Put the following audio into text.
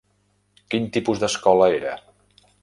Quin tipus d'escola era?